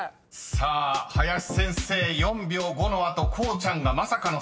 ［さあ林先生４秒５の後こうちゃんがまさかの３２秒８７。